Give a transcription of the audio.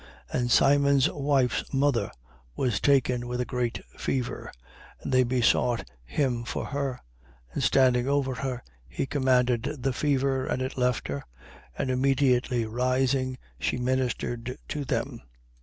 And Simon's wife's mother was taken with a great fever: and they besought him for her. 4:39. And standing over her, he commanded the fever: and it left her. And immediately rising, she ministered to them.